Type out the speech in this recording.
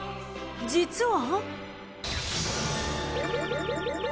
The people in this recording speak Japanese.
［実は］